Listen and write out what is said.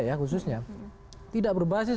ya khususnya tidak berbasis